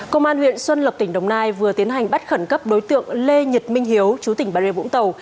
công an huyện xuân lộc tỉnh đồng nai vừa tiến hành bắt khẩn cấp đối tượng lê nhật minh hiếu chú tỉnh bà rê vũng tàu